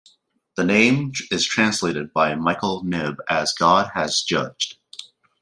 The name is translated by Michael Knibb as "God has judged".